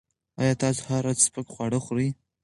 ایا تاسو هره ورځ سپک خواړه خوري؟